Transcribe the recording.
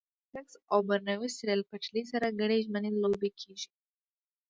له مونټریکس او برنویس ریل پټلۍ سره ګڼې ژمنۍ لوبې کېږي.